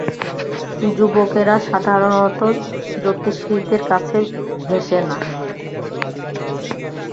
যুবকেরা সাধারণত জ্যোতিষের দিকে ঘেঁষে না।